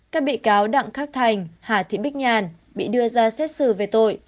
các bị cáo đặng khắc thành hà thị bích nhàn bị đưa ra xét xử về tội